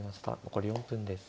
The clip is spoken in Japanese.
残り４分です。